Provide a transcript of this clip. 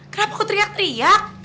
kenapa aku teriak teriak